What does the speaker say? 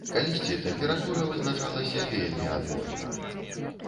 Калісьці тэмпература вызначалася вельмі адвольна.